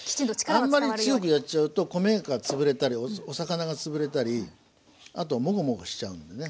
あんまり強くやっちゃうと米が潰れたりお魚が潰れたりあとモゴモゴしちゃうんでね。